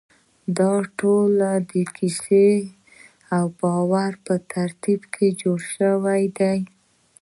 دا ټول د کیسې او باور په ترکیب جوړ شوي دي.